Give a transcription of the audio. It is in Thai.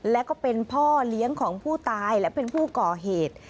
และก็เป็นพ่อเลี้ยงของผู้ตายและเป็นผู้ก่อเหตุ